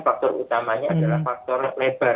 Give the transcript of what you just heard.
faktor utamanya adalah faktor lebar